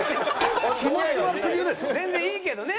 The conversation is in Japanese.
全然いいけどね。